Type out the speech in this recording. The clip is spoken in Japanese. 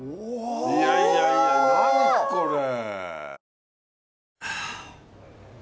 いやいやいや何これ！